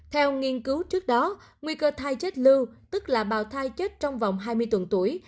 theo nghiên cứu trước đó nguy cơ thai chết lưu tức là bào thai chết trong vòng hai mươi tuần tuổi